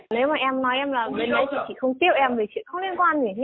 nếu mà em nói em là người này chị không tiêu em thì chị không liên quan gì hết nhỉ